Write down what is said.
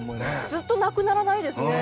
ずっとなくならないですね